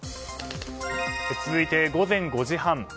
続いて午前５時半。